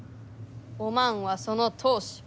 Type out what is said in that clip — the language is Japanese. おまんはその当主。